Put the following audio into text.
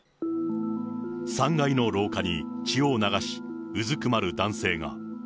３階の廊下に血を流し、うずくまる男性が。